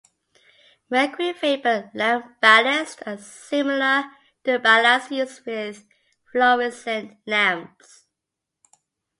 Mercury vapor lamp ballasts are similar to the ballasts used with fluorescent lamps.